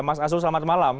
mas azul selamat malam